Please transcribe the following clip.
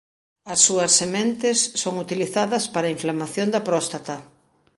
As súas sementes son utilizadas para inflamación da próstata.